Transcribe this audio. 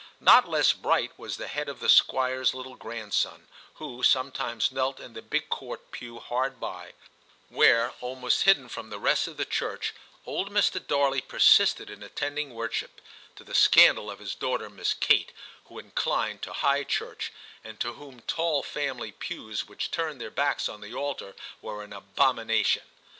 Not less bright was the head of the Squire's little grandson, who some times knelt in the big Court pew hard by, where, almost hidden from the rest of the church, old Mr. Darley persisted in attending worship, to the scandal of his daughter Miss Kate, who inclined to High Church, and to whom tall family pews which turned their backs on the altar were an abomination.